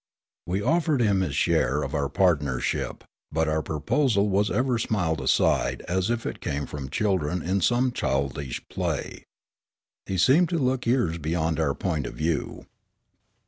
We offered him his share of our partnership ; but our proposal was ever smiled aside as if it came from children in some childish p^ay. He seemed to look years be3 ond our point of view.